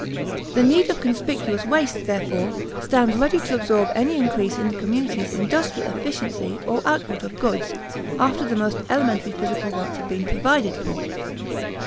The need of conspicuous waste, therefore, stands ready to absorb any increase in the community's industrial efficiency or output of goods, after the most elementary physical wants have been provided for.